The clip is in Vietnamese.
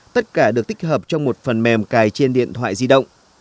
tất cả được tích hợp trong một phần mềm cài trên điện thoại di động